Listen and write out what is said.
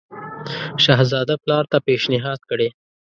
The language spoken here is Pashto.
شهزاده پلار ته پېشنهاد کړی.